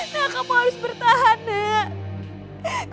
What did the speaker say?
nah kamu harus bertahan nek